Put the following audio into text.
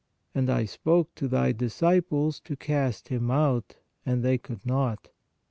And I spoke to Thy disciples to cast him out, and they could not.